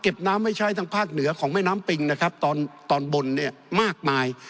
น้ำไว้ใช้ทางภาคเหนือของแม่น้ำปิงนะครับตอนตอนบนเนี่ยมากมาย